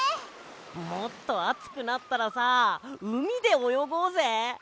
もっとあつくなったらさうみでおよごうぜ！